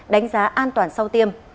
đánh giá an toàn sau tiêm